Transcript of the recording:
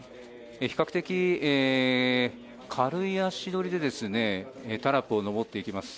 比較的軽い足取りでタラップを上っていきます。